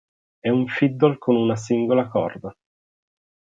È un fiddle con una singola corda.